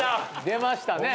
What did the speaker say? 出ましたね。